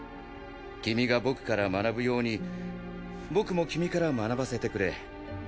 君が僕から学ぶように僕も君から学ばせてくれ。